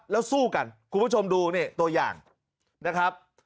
แล้วสู้กันคุณผู้ชมดูนี่ตัวอย่างนะครับ